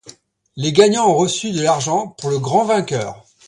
Les gagnants ont reçu de l'argent: pour le grand vainqueur.